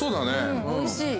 おいしい。